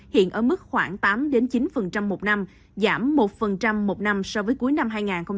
hiện ở mức khoảng tám chín một năm giảm một một năm so với cuối năm hai nghìn một mươi chín